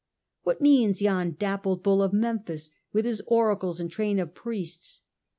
What means yon dappled bull of Memphis, with his oracles and train of priests ?